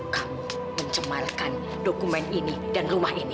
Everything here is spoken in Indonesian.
kamu mencemarkan dokumen ini dan rumah ini